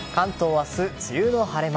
明日、梅雨の晴れ間。